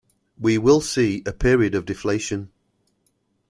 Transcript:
We will see a period of deflation.